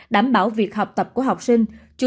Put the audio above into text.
đảm bảo việc học tập của học sinh